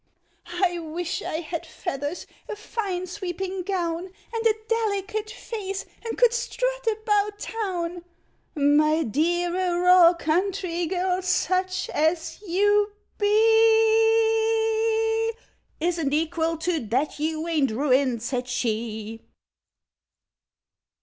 —"I wish I had feathers, a fine sweeping gown, And a delicate face, and could strut about Town!"— "My dear—a raw country girl, such as you be, Isn't equal to that. You ain't ruined," said she.